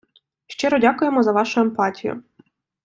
Щиро дякуємо за вашу емпатію.